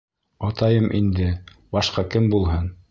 Атайым инде, башҡа кем булһын.